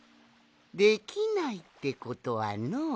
できないってことはのう。